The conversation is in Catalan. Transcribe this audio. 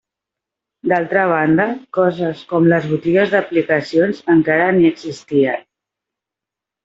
D'altra banda, coses com les botigues d'aplicacions encara ni existien.